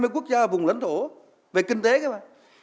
hai trăm hai mươi quốc gia ở vùng lãnh thổ về kinh tế các bà